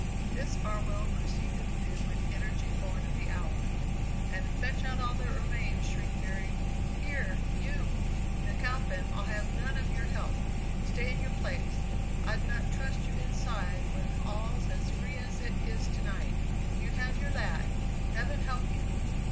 This Farwell proceeded to do with energy born of the hour. "And fetch out all that remains!" shrieked Mary. "Here, you! McAlpin, I'll have none of your help! Stay in your place; I'd not trust you inside when all's as free as it is to night. You have your lad heaven help you!